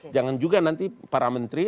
jangan juga nanti para menteri